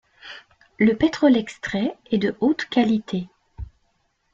Le pétrole extrait est de haute qualité.